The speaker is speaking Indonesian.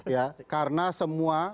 ya karena semua